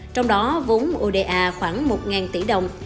trong đó vốn oda khoảng một tỷ đồng